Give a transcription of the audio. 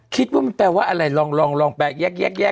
คิดว่ามันแปลว่าอะไรลองไปแยก